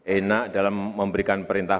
enak dalam memberikan perintah